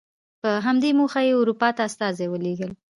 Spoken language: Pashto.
په همدې موخه یې اروپا ته استازي ولېږل.